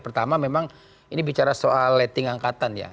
pertama memang ini bicara soal letting angkatan ya